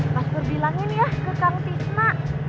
mas pur bilangin ya ke kang tisna